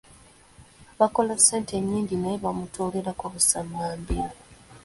Bakola ssente nnyingi naye bamutoolerako busammambiro.